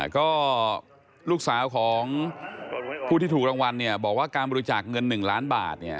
ก็ลูกสาวของผู้ที่ถูกรางวัลเนี่ยบอกว่าการบริจาคเงิน๑ล้านบาท